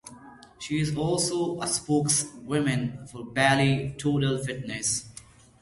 She is also a spokeswoman for Bally Total Fitness.